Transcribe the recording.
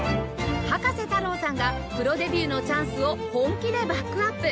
葉加瀬太郎さんがプロデビューのチャンスを本気でバックアップ！